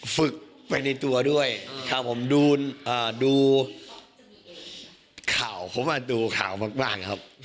ฝึกไปในตัวด้วยครับผมดูข่าวเพราะว่าดูข่าวมากครับ